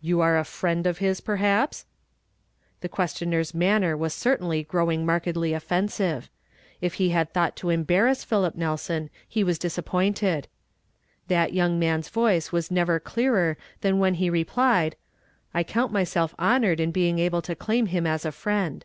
"You are a frienu of 'lis, perhaps ?" The questioner's liuini er was certaiidy growing markedl}' offen ;ive. li he had tiioaglu: co embarrass Philip Nelson, he was disappointed. That young man's vdice was never clearer than when he re plied, '' I count myself honored in being able to claim him jis a friend."